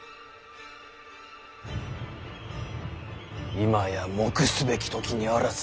今や黙すべき時にあらず。